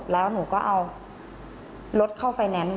แล้วหนูก็เอารถเข้าไฟแนนซ์